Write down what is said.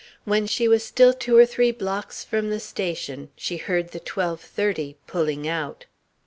When she was still two or three blocks from the station, she heard the twelve thirty "pulling out."